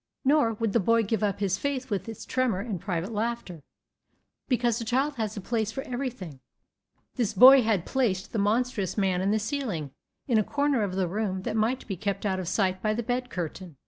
Nor would the boy give up his faith with its tremor and private laughter. Because a child has a place for everything, this boy had placed the monstrous man in the ceiling, in a corner of the room that might be kept out of sight by the bed curtain.